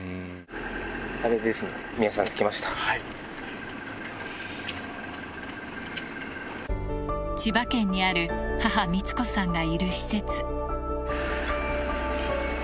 あれですね、宮治さん、千葉県にある母、光子さんがいる施設。